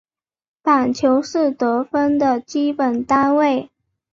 板球是得分的基本单位。